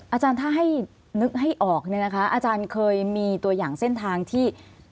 อาจารย์ถ้านึกให้ออกอาจารย์เคยมีตัวอย่างเส้นทางที่